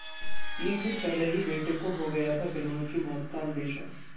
तीन दिन पहले ही बेटे को हो गया था विनोद की मौत का अंदेशा